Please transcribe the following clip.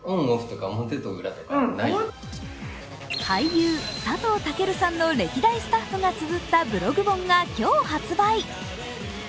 俳優・佐藤健さんの歴代スタッフがつづったブログ本が今日発売。